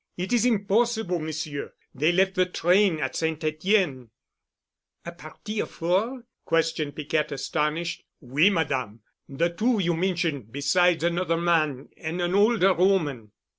"It is impossible, Monsieur. They left the train at St. Etienne." "A party of four?" questioned Piquette, astonished. "Oui, Madame. The two you mention besides another man and an older woman."